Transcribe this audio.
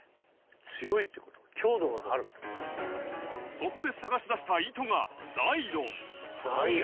そこで探し出した糸がザイロン？